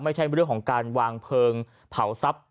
ไม่ใช่เรื่องของการวางเพลิงเผาทรัพย์